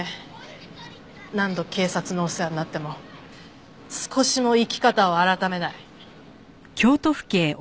何度警察のお世話になっても少しも生き方を改めない。